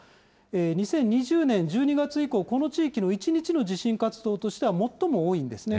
２０２０年１２月以降、この地域の１日の地震活動としては最も多いんですね。